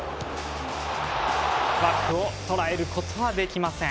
枠を捉えることはできません。